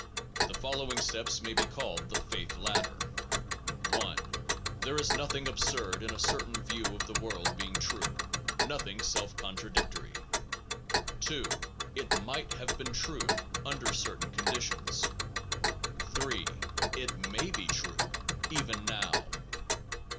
The following steps may be called the * faith ladder : 1 . There is nothing absurd in a certain view of the world being true, nothing self contradictory; 2. It might have been true under certain condi tions; 3. It may be true, even now; 4.